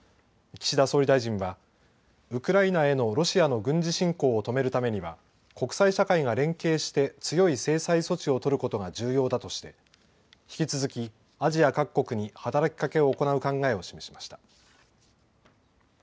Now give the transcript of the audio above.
岸田総理大臣はウクライナへのロシアの軍事侵攻を止めるためには国際社会が連携して強い制裁措置を取ることが重要だとして引き続きアジア各国に働きかけを行う考えを示しました。